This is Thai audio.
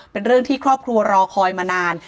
เป็นเรื่องที่ครอบครัวรอคอยมานาน